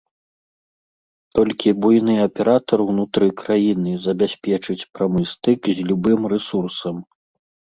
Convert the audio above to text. Толькі буйны аператар ўнутры краіны забяспечыць прамы стык з любым рэсурсам.